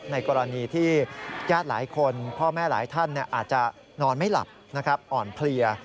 ในกรณีที่ญาติหลายคนพ่อแม่หลายท่านอาจจะนอนไม่หลับอ่อนเพลีย